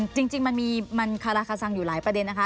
จริงมันมีมันคาราคาซังอยู่หลายประเด็นนะคะ